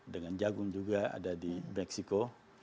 dengan jagung juga ada di meksiko